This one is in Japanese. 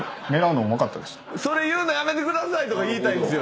それ言うのやめてくださいとか言いたいんすよ